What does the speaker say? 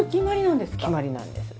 決まりなんですか？